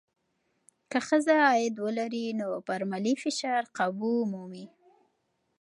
که ښځه عاید ولري، نو پر مالي فشار قابو مومي.